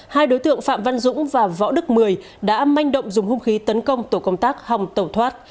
hai đối tượng phạm văn dũng và võ đức mười đã manh động dùng hung khí tấn công tổ công tác hồng tẩu thoát